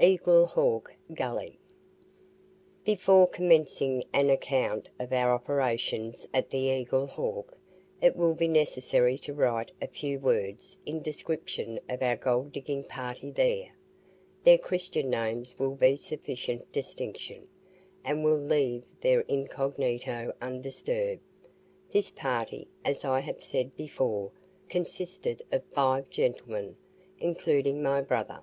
EAGLE HAWK GULLY Before commencing an account of our operations at the Eagle Hawk, it will be necessary to write a few words in description of our gold digging party there; their Christian names will be sufficient distinction, and will leave their incognito undisturbed. This party, as I have said before, consisted of five gentlemen, including my brother.